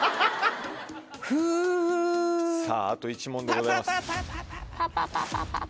さぁあと１問でございます。